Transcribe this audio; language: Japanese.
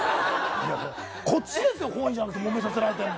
こっちですよ、本意じゃなくてもめさせられてるの。